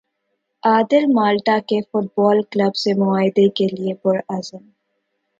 عادل Malta کے football club سے معاہدے کے لیے پرعزم